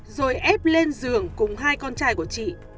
rồi ép lên giường cùng hai con trai của chị